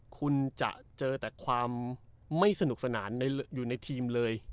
คุณจะเจอแต่ความไม่สนุกสนานอยู่ในทีมเลย